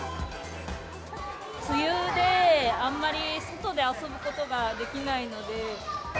梅雨で、あんまり外で遊ぶことができないので。